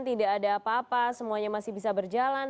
tidak ada apa apa semuanya masih bisa berjalan